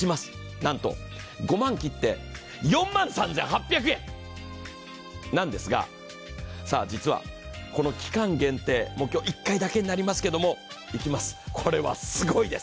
なんと５万切って４万３８００円なんですが、実はこの期間限定、今日１回だけになりますが、いきます、これはすごいです。